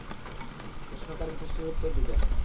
প্রশ্নকারীর প্রশ্নের উত্তর দিতেন।